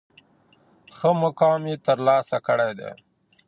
ښه مقام یې تر لاسه کړی دی.